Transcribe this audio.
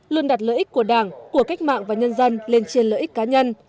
luôn đặt lợi ích của đảng của cách mạng và nhân dân lên trên lợi ích cá nhân